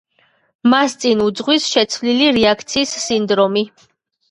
მას წინ უძღვის შეცვლილი რეაქციის სინდრომი.